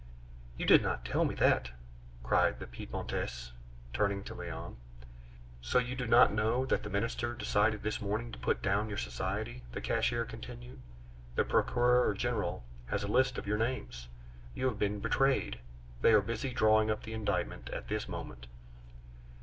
"You did not tell me that," cried the Piedmontese, turning to Léon. "So you do not know that the Minister decided this morning to put down your Society?" the cashier continued. "The Procureur Général has a list of your names. You have been betrayed. They are busy drawing up the indictment at this moment."